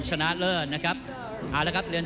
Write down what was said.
ท่านแรกครับจันทรุ่ม